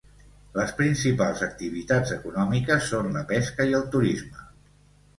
Les principals activitats econòmiques són la pesca i el turisme.